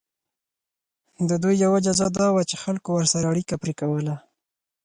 د دوی یوه جزا دا وه چې خلکو ورسره اړیکه پرې کوله.